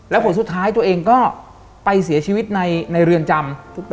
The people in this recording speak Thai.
แล้วผลสุดท้ายตัวเองก็ไปเสียชีวิตในเรือนจำ